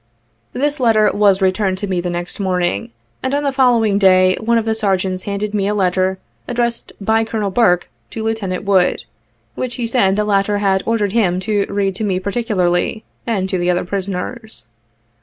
This letter was returned to me the next morning, and on the following day one of the sergeants handed me a letter addressed by Colonel Burke, to Lieutenant Wood, which he said the latter had ordered him to read to me particularly, and to the other prisoners.